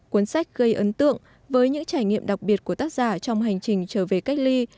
cuốn sách gây ấn tượng với những trải nghiệm đặc biệt của tác giả trong hành trình trở về cách ly